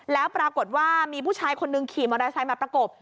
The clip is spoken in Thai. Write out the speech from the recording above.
แล้วปรากฏว่ามีผู้ชายคนหนึ่งขี่มอเตอร์ไซค์มาประกบ